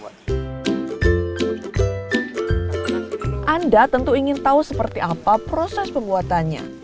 anda tentu ingin tahu seperti apa proses pembuatannya